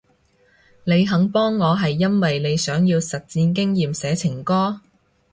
你肯幫我係因為你想要實戰經驗寫情歌？